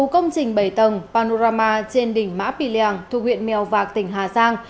công trình bày tầng panorama trên đỉnh mã pì leàng thuộc huyện mèo vạc tỉnh hà giang